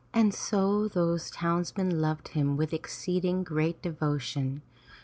And so those townsmen loved him with exceeding great devotion.